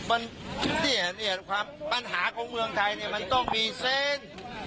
พาก็ไม่รักเป้าและนะมันเรียกให้ความปัญหาของเมืองไทยเนี้ยมันต้องมีแสน